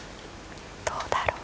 どうだろう。